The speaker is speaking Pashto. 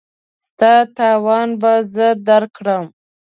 ستا تاوان به زه درکړم.